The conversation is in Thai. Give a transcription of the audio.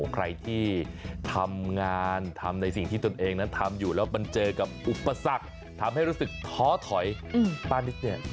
ใครที่ทำงานทำในสิ่งที่ตนเองนั้นทำอยู่แล้วมันเจอกับอุปสรรคทำให้รู้สึกท้อถอยป้านิสเนี่ย